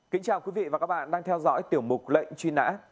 kính chào quý vị và các bạn đang theo dõi tiểu mục lệnh truy nã